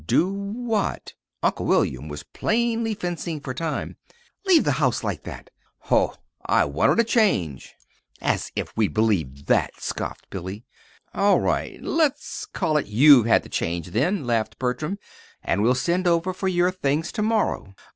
"Do what?" Uncle William was plainly fencing for time. "Leave the house like that?" "Ho! I wanted a change." "As if we'd believe that!" scoffed Billy. "All right; let's call it you've had the change, then," laughed Bertram, "and we'll send over for your things to morrow.